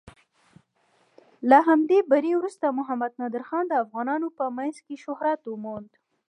له همدې بري وروسته محمد نادر خان د افغانانو په منځ کې شهرت وموند.